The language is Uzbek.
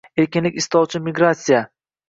«erkinlik istovchilar migratsiyasi»